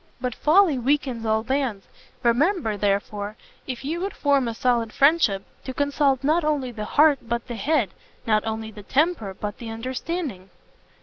But folly weakens all bands: remember, therefore, if you would form a solid friendship, to consult not only the heart but the head, not only the temper, but the understanding."